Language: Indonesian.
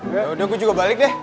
yaudah aku juga balik deh